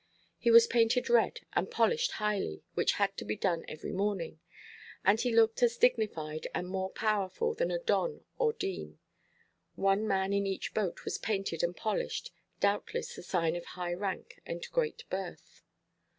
He was painted red, and polished highly, which had to be done every morning; and he looked as dignified and more powerful than a don or dean. One man in each boat was painted and polished—doubtless the sign of high rank and great birth.